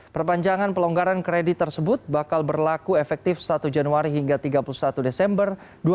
perpanjangan pelonggaran kredit tersebut bakal berlaku efektif satu januari hingga tiga puluh satu desember dua ribu dua puluh